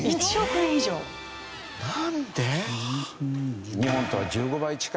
なんで？